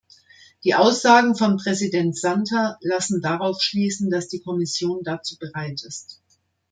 Die Aussagen von Präsident Santer lassen darauf schließen, dass die Kommission dazu bereit ist.